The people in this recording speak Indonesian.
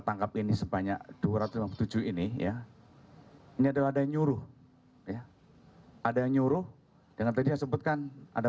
tangkap ini sebanyak dua ratus lima puluh tujuh ini ya ini adalah ada yang nyuruh ya ada yang nyuruh dengan tadi sebutkan ada